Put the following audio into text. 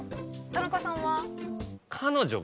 田中さんは？